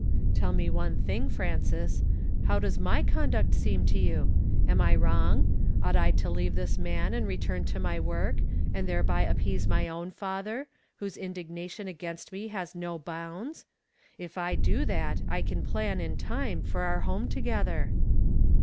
"Tell me one tiling, Frances. Ifow does my conduct seem to you? Am I wrong? Ought I to leave this man and return to my work, and thereby api)ease my own father, whose indignation H "A man's heart DEVISETH ins WAY." 173 '■I against me luis no bounds? If I do that, I can plan, in time, for our home together."